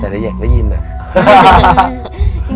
แต่ถ้ายากได้ยินเนี่ย